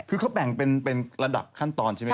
คือเขาแบ่งเป็นระดับขั้นตอนใช่ไหม